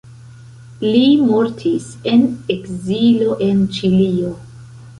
Li mortis en ekzilo en Ĉilio.